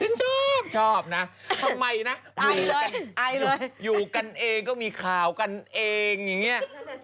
ฉันชอบชอบนะทำไมนะอยู่กันเองก็มีข่าวกันเองอย่างนี้